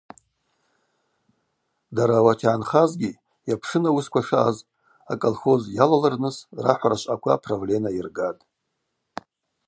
Дара ауат йгӏанхазгьи, йапшын ауысква шаъаз, аколхоз йалалырныс рахӏвара швъаква аправлена йыргатӏ.